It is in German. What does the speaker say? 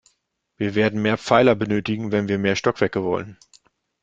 Wir werden mehr Pfeiler benötigen, wenn wir mehr Stockwerke wollen.